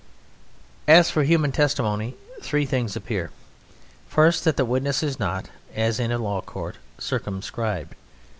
As for human testimony, three things appear: first, that the witness is not, as in a law court, circumscribed.